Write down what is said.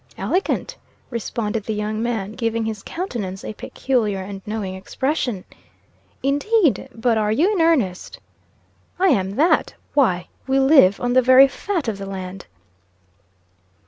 "Elegant," responded the young man, giving his countenance a peculiar and knowing expression. "Indeed? But are you in earnest?" "I am that. Why, we live on the very fat of the land."